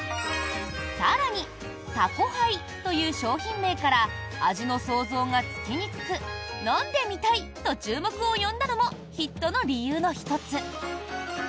更にタコハイという商品名から味の想像がつきにくく飲んでみたい！と注目を呼んだのもヒットの理由の１つ。